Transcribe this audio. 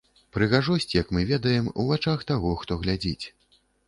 Прыгажосць, як мы ведаем, у вачах таго, хто глядзіць.